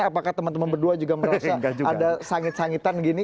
apakah teman teman berdua juga merasa ada sangit sangitan gini